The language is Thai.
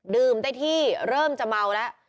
ได้ที่เริ่มจะเมาแล้ว